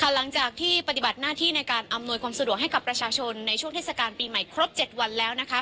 หลังจากที่ปฏิบัติหน้าที่ในการอำนวยความสะดวกให้กับประชาชนในช่วงเทศกาลปีใหม่ครบ๗วันแล้ว